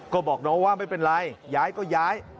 ก็บอกน้องว่าไม่เป็นไรย้ายก็ย้าย